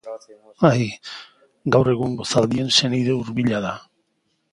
Gaur egungo zaldien senide hurbila da.